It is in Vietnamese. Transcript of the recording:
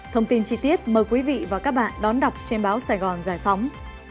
thông tin chi tiết mời quý vị và các bạn đón đọc trên báo sài gòn giải phóng